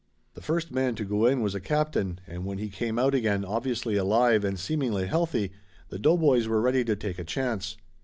The first man to go in was a captain and when he came out again obviously alive and seemingly healthy, the doughboys were ready to take a chance.